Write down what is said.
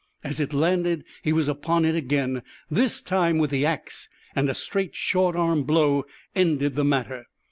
As it landed he was upon it again, this time with the axe, and a straight short arm blow ended the matter.